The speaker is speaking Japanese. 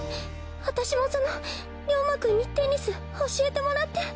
私もそのリョーマくんにテニス教えてもらって。